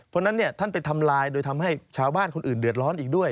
เพราะฉะนั้นท่านไปทำลายโดยทำให้ชาวบ้านคนอื่นเดือดร้อนอีกด้วย